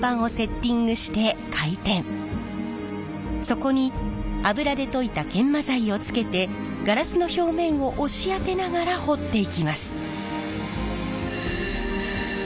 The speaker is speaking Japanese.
そこに油で溶いた研磨剤を付けてガラスの表面を押し当てながら彫っていきます。